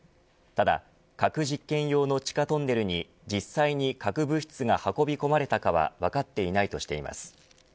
ただ、核実験用の地下トンネルに実際に核物質が運び込まれたかは分かっていないとしています。